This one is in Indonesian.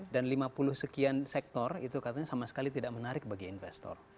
dan lima puluh sekian sektor itu katanya sama sekali tidak menarik bagi investor